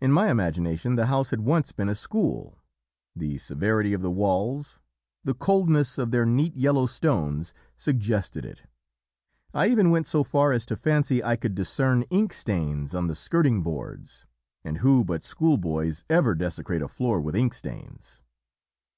"In my imagination the house had once been a school: the severity of the walls, the coldness of their neat yellow stones suggested it; I even went so far as to fancy I could discern ink stains on the skirting boards; and who but schoolboys ever desecrate a floor with ink stains?